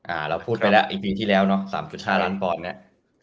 อ่าเราพูดไปแล้วอีกปีที่แล้วเนอะ๓๕ล้านปอนดิ์เนี่ย